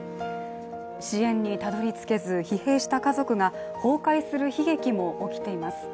支援にたどり着けず疲弊した家族が崩壊する悲劇も起きています。